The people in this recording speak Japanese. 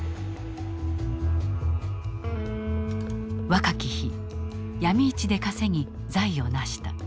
若き日ヤミ市で稼ぎ財を成した。